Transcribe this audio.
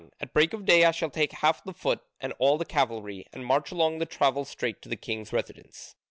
At break of day I shall take half the foot and all the cavalry and march along the level straight to the king's residence.